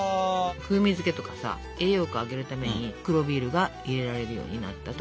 風味付けとかさ栄養価上げるために黒ビールが入れられるようになったと。